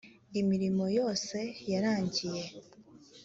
imirimo yose yarangiye.